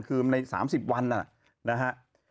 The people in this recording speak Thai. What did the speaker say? คือใน๓๐วันนะฮะ